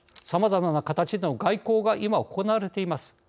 さまざまな形での外交が今、行われています。